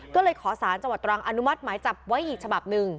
ก็เลยขอสารจังหวัดตรังอนุมัติหมายจับไว้อีกฉบับหนึ่ง